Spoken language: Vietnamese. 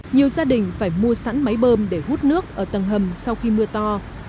nhiều gia đình phải mua sẵn máy bơm để hút nước ở tầng hầm sau khi mưa to